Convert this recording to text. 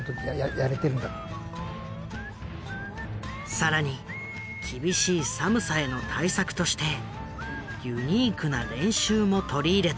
更に厳しい寒さへの対策としてユニークな練習も取り入れた。